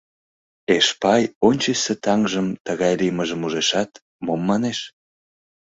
Эшпай ончычсо таҥжым тыгай лиймыжым ужешат, мом манеш?..